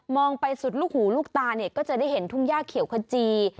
ไปสุดลูกหูลูกตาเนี่ยก็จะได้เห็นทุ่งย่าเขียวขจี